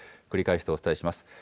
繰り返してお伝えします。